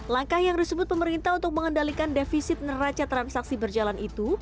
langkah yang disebut pemerintah untuk mengendalikan defisit neraca transaksi berjalan itu